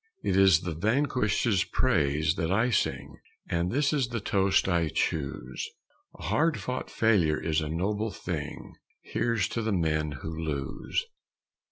It is the vanquished's praises that I sing, And this is the toast I choose: "A hard fought failure is a noble thing; Here's to the men who lose!"